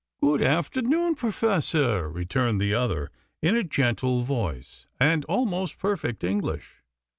"Good afternoon, Professor," returned the other in a gentle voice, and almost perfect English.